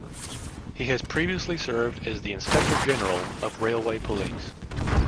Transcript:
He has previously served as the Inspector General of Railway Police.